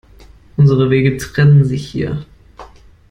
Unsere Wege trennen sich hier.